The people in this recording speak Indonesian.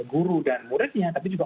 guru dan muridnya tapi juga